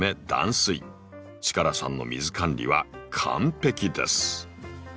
力さんの水管理は完璧です。